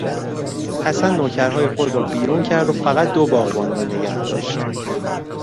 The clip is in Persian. حسن نوکرهای خود را بیرون کرد و فقط دو باغبان را نگاه داشت.